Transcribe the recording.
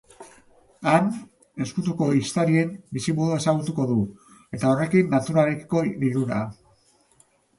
Han, ezkutuko ehiztarien bizimodua ezagutuko du, eta, horrekin, naturarekiko lilura.